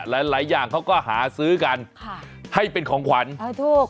หลายหลายอย่างเขาก็หาซื้อกันค่ะให้เป็นของขวัญเออถูก